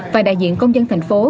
và đại diện công dân thành phố